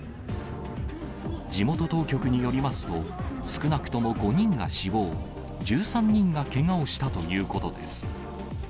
地元当局によりますと、少なくとも５人が死亡、１３人がけがをしたということです。